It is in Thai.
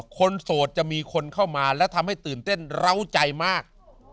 โสดจะมีคนเข้ามาและทำให้ตื่นเต้นเหล้าใจมาก